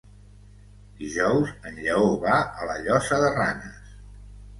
Dijous en Lleó va a la Llosa de Ranes.